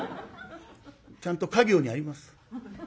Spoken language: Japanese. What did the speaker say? ちゃんとカ行にあります。